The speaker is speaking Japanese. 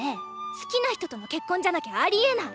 好きな人との結婚じゃなきゃありえない！